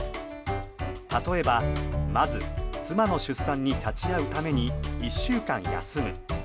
例えば、まず、妻の出産に立ち会うために１週間休む。